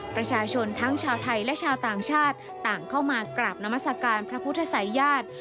ประชาชนทั้งชาวไทยและชาวต่างชาติต่างเข้ามากราบนามัศกาลพระพุทธศัยญาติ